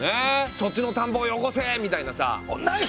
そっちの田んぼをよこせ！みたいなさ。